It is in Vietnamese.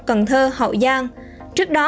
cần thơ hậu giang trước đó